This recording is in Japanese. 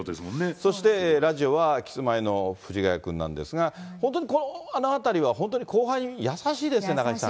そして、ラジオはキスマイの藤ヶ谷君なんですが、本当に、あのあたりは、本当に後輩に優しいですね、中居さん。